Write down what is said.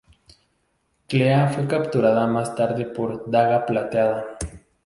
Clea fue capturada más tarde por Daga Plateada.